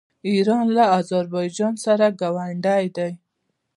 ایران له اذربایجان سره ګاونډی دی.